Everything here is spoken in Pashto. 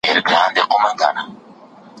ورته وغوړوي مخ ته د مرګ پړی